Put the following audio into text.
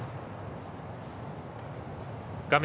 画面